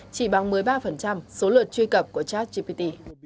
chỉ bằng một mươi ba số luật truy cập của chatgpt